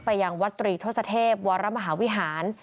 ยังวัดตรีทศเทพวรมหาวิหาร